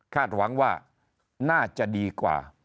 หวังว่าน่าจะดีกว่า